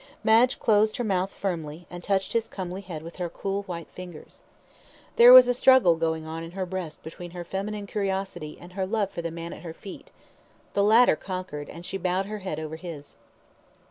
Madge closed her mouth firmly, and touched his comely head with her cool, white fingers. There was a struggle going on in her breast between her feminine curiosity and her love for the man at her feet the latter conquered, and she bowed her head over his.